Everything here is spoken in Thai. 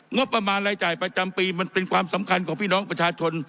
งบประมาณรายจ่ายประจำปีมันเป็นความสำคัญของพี่น้องประชาชน